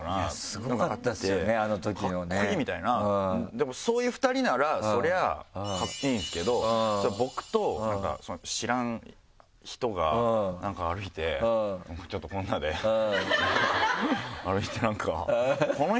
でもそういう２人ならそりゃカッコいいんですけど僕と知らん人がなんか歩いてちょっとこんなで歩いて。